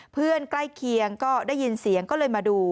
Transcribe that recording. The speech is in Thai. ใกล้เคียงก็ได้ยินเสียงก็เลยมาดู